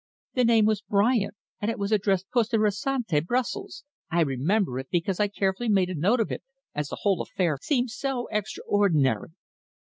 "The name was Bryant, and it was addressed Poste Restante, Brussels. I remember it, because I carefully made a note of it, as the whole affair seemed so extraordinary."